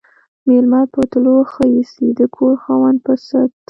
ميلمه په تلو ښه ايسي ، د کور خاوند په ست.